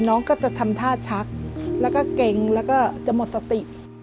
น้องก็จะทำท่าชักแล้วก็เก่งแล้วก็จะหมดสติ